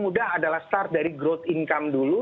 mudah adalah start dari growth income dulu